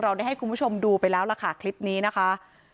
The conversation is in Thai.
ได้ให้คุณผู้ชมดูไปแล้วล่ะค่ะคลิปนี้นะคะ